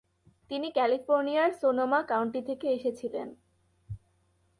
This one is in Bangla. তিনি ক্যালিফোর্নিয়ার সোনোমা কাউন্টি থেকে এসেছিলেন।